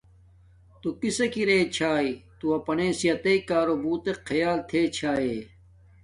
تو کسک راݵ رے چھاݵ تو اپناݵ صحتݷ کارو بوتک خیال تحݷ ݷݷا۔